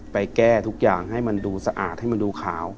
แก้ทุกอย่างให้มันดูสะอาดให้มันดูขาว